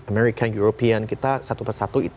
amerika eropa kita satu persatu